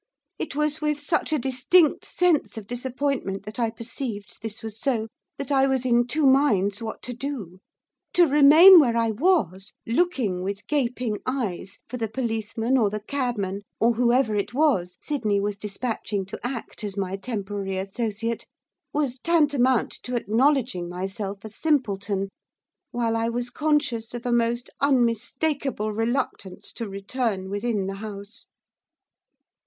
It was with such a distinct sense of disappointment that I perceived this was so, that I was in two minds what to do. To remain where I was, looking, with gaping eyes, for the policeman, or the cabman, or whoever it was Sydney was dispatching to act as my temporary associate, was tantamount to acknowledging myself a simpleton, while I was conscious of a most unmistakable reluctance to return within the house.